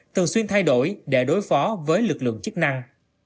thường xuyên thay đổi để đối phó với lực lượng chức năng